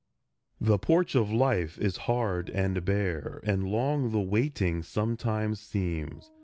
The Porch of Life is hard and bare, And long the waiting sometimes seems.